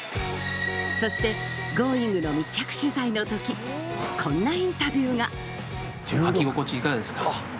そして『Ｇｏｉｎｇ！』の密着取材の時こんなインタビューが履き心地いかがですか？